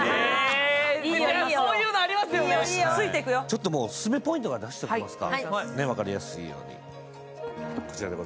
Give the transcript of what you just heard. ちょっとオススメポイントから出しておきますか。